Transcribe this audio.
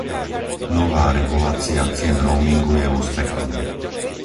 Nová regulácia cien roamingu je úspechom.